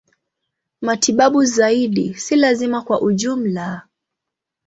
Matibabu zaidi si lazima kwa ujumla.